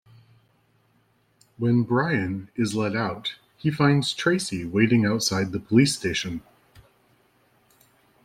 When Brian is let out, he finds Tracy waiting outside the police station.